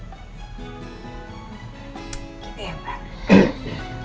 gitu ya pak